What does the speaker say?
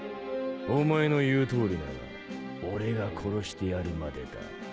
お前の言うとおりなら俺が殺してやるまでだ。